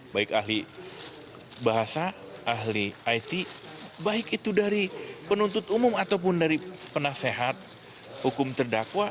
baik ahli bahasa ahli it baik itu dari penuntut umum ataupun dari penasehat hukum terdakwa